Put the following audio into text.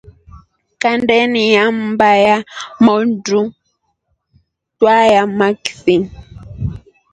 Kandeni ya mbaa ya motru twayaa makith.